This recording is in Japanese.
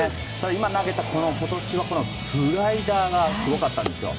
今、投げたようなスライダーが今年はすごかったんですよ。